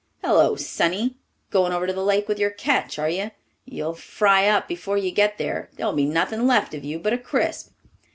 "Hello, sonny. Going over to the Lake with your catch, are you? You'll fry up before you get there. There'll be nothing left of you but a crisp."